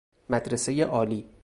مدرسۀ عالی